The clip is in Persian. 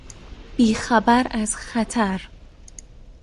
بی خبر از خطر